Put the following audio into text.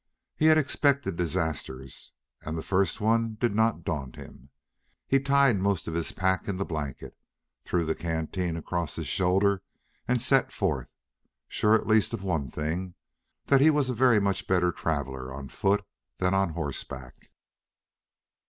He had expected disasters, and the first one did not daunt him. He tied most of his pack in the blanket, threw the canteen across his shoulder, and set forth, sure at least of one thing that he was a very much better traveler on foot than on horseback.